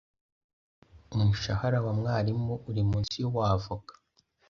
Umushahara wa mwarimu uri munsi y’uwavoka.